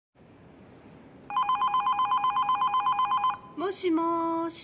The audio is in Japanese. もしもーし。